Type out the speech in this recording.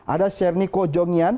ada serniko jongian